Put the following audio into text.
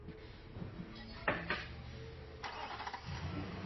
Narodil v Brně.